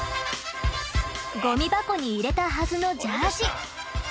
ゴミ箱に入れたはずのジャージ。